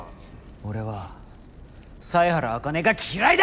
俺は犀原茜が嫌いだ！